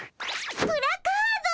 プラカード。